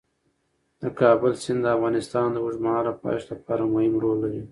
د کابل سیند د افغانستان د اوږدمهاله پایښت لپاره مهم رول لري.